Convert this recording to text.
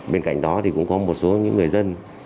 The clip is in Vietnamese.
bên cạnh đó thì cũng có một số những người dân